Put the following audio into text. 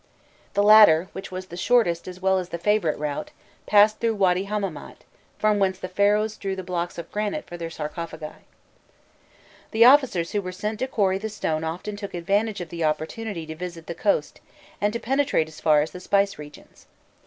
The latter, which was the shortest as well as the favourite route, passed through Wady Hammamât, from whence the Pharaohs drew the blocks of granite for their sarcophagi. The officers who were sent to quarry the stone often took advantage of the opportunity to visit the coast, and to penetrate as far as the Spice Regions.